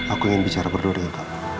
aku ingin bicara berdua dengan kamu